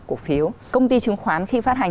cổ phiếu công ty chứng khoán khi phát hành